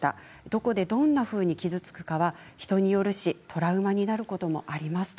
どこでどんなふうに傷つくかは人によるしトラウマになることもあります。